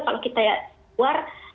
kalau kita keluar